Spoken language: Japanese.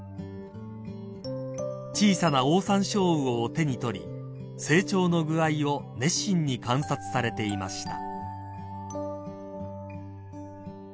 ［小さなオオサンショウウオを手に取り成長の具合を熱心に観察されていました］